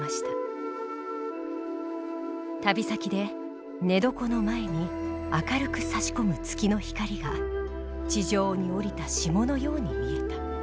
「旅先で寝床の前に明るくさし込む月の光が地上に降りた霜のように見えた。